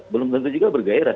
belum tentu juga bergairah